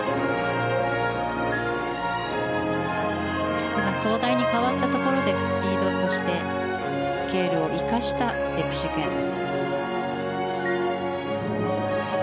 曲が壮大に変わったところでスピードそして、スケールを生かしたステップシークエンス。